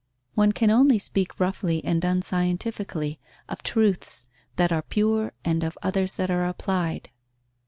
One can only speak roughly and unscientifically of truths that are pure and of others that are applied.